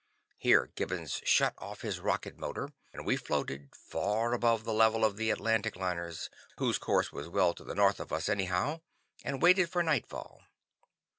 Here Gibbons shut off his rocket motor, and we floated, far above the level of the Atlantic liners, whose course was well to the north of us anyhow, and waited for nightfall.